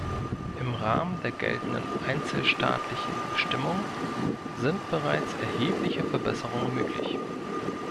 Im Rahmen der geltenden einzelstaatlichen Bestimmungen sind bereits erhebliche Verbesserungen möglich.